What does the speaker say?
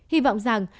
hy vọng rằng